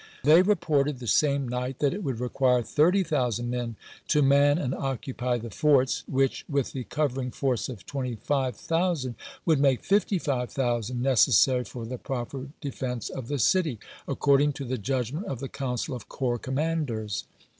They re ported the same night that it would require 30,000 men to man and occupy the forts, which, with the covering force of 25,000, would make 55,000 neces sary for the proper defense of the city, according to the judgment of the council of corps command ers.